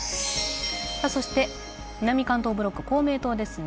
南関東ブロック、公明党ですね。